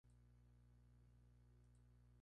Tradujo poemas de la literatura norteamericana.